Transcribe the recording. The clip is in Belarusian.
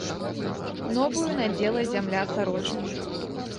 Новую надзела зямля сарочку.